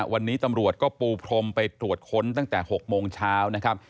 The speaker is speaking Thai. วันนี้ตำรวจก็ปูพรมไปตรวจค้นตั้งแต่๖โมงเช้านะครับ